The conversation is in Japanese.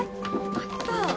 あった！